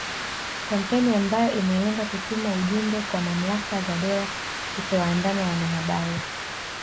Kampeni ambayo imelenga kutuma ujumbe kwa mamlaka za dola kutowaandama wanahabari